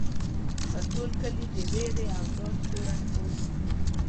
پر ټول کلي د وېرې او ډار سیوری خور شو.